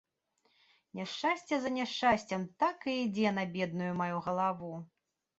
Няшчасце за няшчасцем так і ідзе на бедную маю галаву!